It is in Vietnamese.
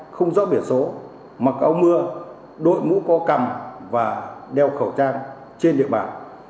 không rõ biển số mặc áo mưa đội mũ co cầm và đeo khẩu trang trên địa bàn